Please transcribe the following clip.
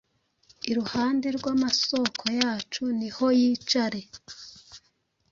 iruhande rw'amasoko yacu niho yicare,